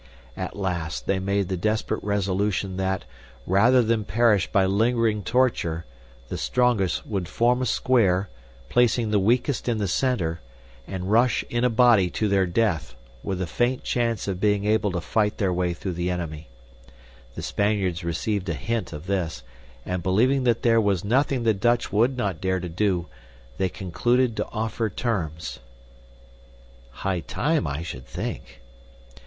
At last they made the desperate resolution that, rather than perish by lingering torture, the strongest would form a square, placing the weakest in the center, and rush in a body to their death, with the faint chance of being able to fight their way through the enemy. The Spaniards received a hint of this, and believing that there was nothing the Dutch would not dare to do, they concluded to offer terms." "High time, I should think."